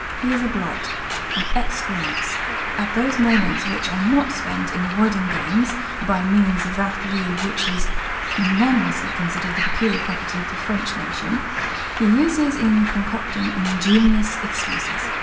He is a blot, an excrescence. All those moments which are not spent in avoiding games (by means of that leave which is unanimously considered the peculiar property of the French nation) he uses in concocting ingenious excuses.